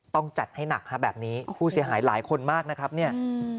ต้องจัดให้หนักฮะแบบนี้ผู้เสียหายหลายคนมากนะครับเนี่ย